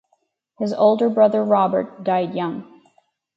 His older brother Robert died young.